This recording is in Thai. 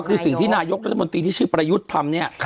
คือสิ่งที่นายกรัฐมนตรีที่ชื่อประยุทธ์ทำเนี่ย